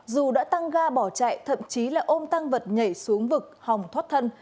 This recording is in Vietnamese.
dù đã tăng ga bỏ chạy thậm chí là ôm tăng vật nhảy xuống vực hòng thoát thân